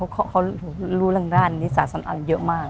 เขารู้ล่างรานนิษศาสนอนอำนาจอะไรเยอะมาก